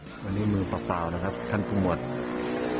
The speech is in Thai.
วันนี้มือเปล่านะครับท่านปุ่มวัสดิ์